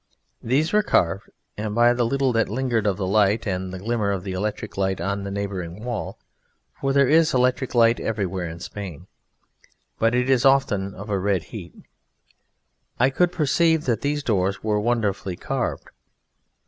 These were carved, and by the little that lingered of the light and the glimmer of the electric light on the neighbouring wall (for there is electric light everywhere in Spain, but it is often of a red heat) I could perceive that these doors were wonderfully carved.